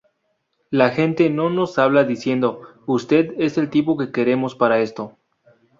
La gente no nos habla diciendo: 'usted es el tipo que queremos para esto'".